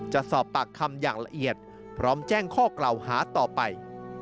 จะสอบปากคำอย่างละเอียดพร้อมแจ้งข้อกล่าวหาต่อไป